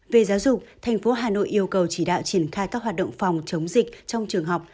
về giáo dục thành phố hà nội yêu cầu chỉ đạo triển khai các hoạt động phòng chống dịch trong trường học